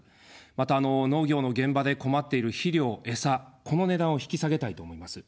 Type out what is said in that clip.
また、農業の現場で困っている肥料・餌、この値段を引き下げたいと思います。